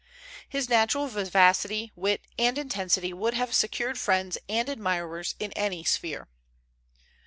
His natural vivacity, wit, and intensity would have secured friends and admirers in any sphere.